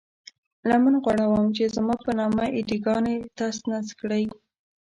لمن غوړوم چې زما په نامه اې ډي ګانې تس نس کړئ.